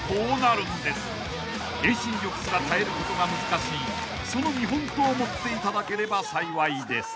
［遠心力すら耐えることが難しいその見本と思っていただければ幸いです］